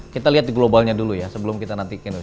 kita lihat globalnya dulu ya sebelum kita nantikan